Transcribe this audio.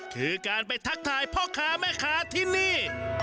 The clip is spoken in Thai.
คือการไปทักทายพ่อค้าแม่ค้าที่นี่